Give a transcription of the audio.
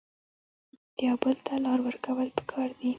یو بل ته لار ورکول پکار دي